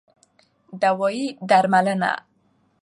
دوايي √ درملنه